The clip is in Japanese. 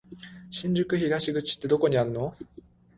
新宿東口ってどこにあんの？